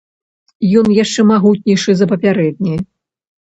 Ён яшчэ магутнейшы за папярэдні.